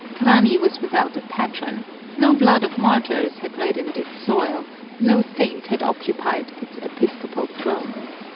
Trani was without a patron ; no blood of martyrs had reddened its soil, no saint had occupied its episcopal throne.